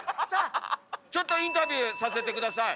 ちょっとインタビューさせてください。